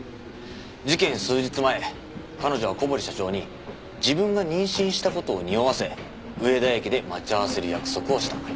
事件数日前彼女は小堀社長に自分が妊娠した事をにおわせ上田駅で待ち合わせる約束をした。